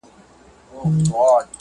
• چا ویل دا چي، ژوندون آسان دی.